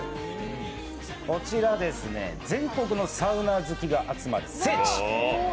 こちらは全国のサウナ好きが集まる聖地！